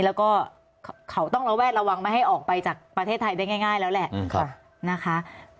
แล้วก็เขาต้องระแวดระวังไม่ให้ออกไปจากประเทศไทยได้ง่ายแล้วแหละนะคะ